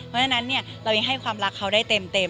เพราะฉะนั้นเรายังให้ความรักเขาได้เต็ม